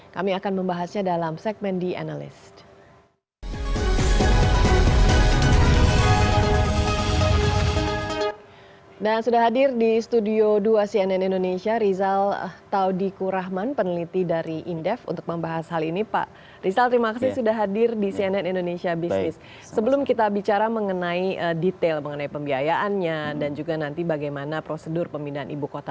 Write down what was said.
kami akan membahasnya dalam segmen the analyst